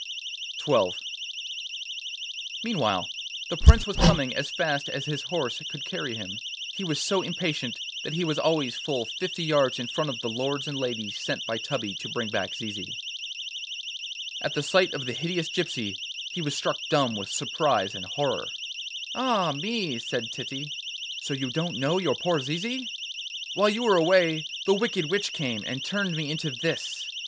XII Meanwhile the Prince was coming as fast as his horse could carry him. He was so impatient that he was always full fifty yards in front of the lords and ladies sent by Tubby to bring back Zizi. At the sight of the hideous gypsy he was struck dumb with surprise and horror. 'Ah me!' said Titty, 'so you don't know your poor Zizi? While you were away the wicked witch came, and turned me into this.